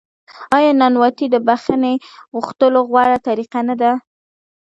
آیا نانواتې د بخښنې غوښتلو غوره طریقه نه ده؟